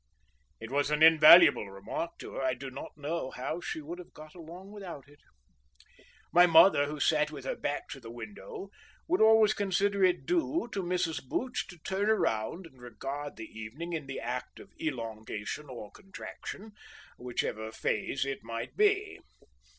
It was an invaluable remark to her; I do not know how she would have got along without it. My mother, who sat with her back to the window, would always consider it due to Mrs. Booch to turn about and regard the evening in the act of elongation or contraction, whichever phase it might be.